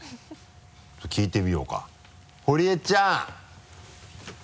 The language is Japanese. ちょっと聞いてみようか堀江ちゃん。